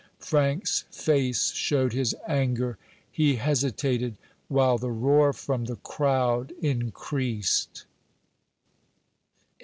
Frank's face showed his anger. He hesitated, while the roar from the crowd increased.